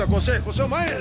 腰を前へ！